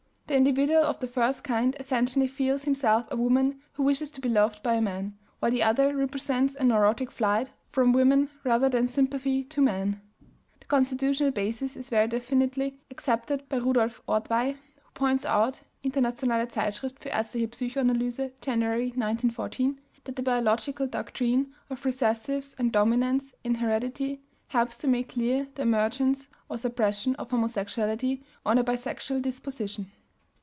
The individual of the first kind essentially feels himself a woman who wishes to be loved by a man, while the other represents a neurotic flight from women rather than sympathy to men." The constitutional basis is very definitely accepted by Rudolf Ortvay who points out (Internationale Zeitschrift für Aerztliche Psychoanalyse, Jan., 1914) that the biological doctrine of recessives and dominants in heredity helps to make clear the emergence or suppression of homosexuality on a bisexual disposition.